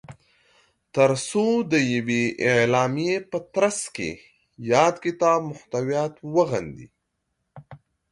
تر څو د یوې اعلامیې په ترځ کې د یاد کتاب محتویات وغندي